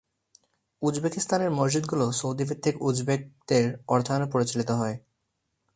উজবেকিস্তানের মসজিদগুলো সৌদি-ভিত্তিক উজবেকদের অর্থায়নে পরিচালিত হয়।